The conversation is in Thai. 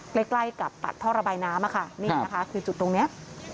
ใกล้ใกล้กับปากท่อระบายน้ำค่ะนี่นะคะคือจุดตรงนี้